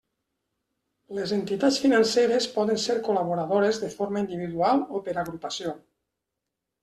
Les entitats financeres poden ser col·laboradores de forma individual o per agrupació.